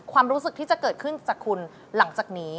ความรู้สึกที่จะเกิดขึ้นจากคุณหลังจากนี้